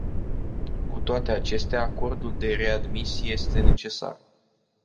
Cu toate acestea, acordul de readmisie este necesar.